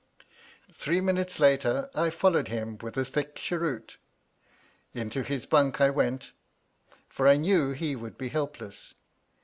Three min utes later I followed him with a thick cheroot. Into his bunk I went, for I knew he would be helpless.